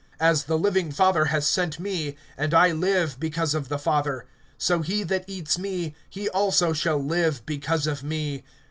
(57)As the living Father has sent me, and I live because of the Father; so he that eats me, he also shall live because of me.